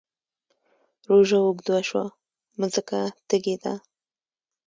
روژه اوږده شوه مځکه تږې ده